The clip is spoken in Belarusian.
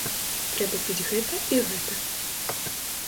Трэба піць гэта і гэта.